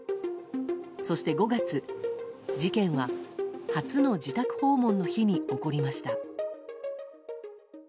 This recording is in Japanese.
そして５月事件は、初の自宅訪問の日に起こりました。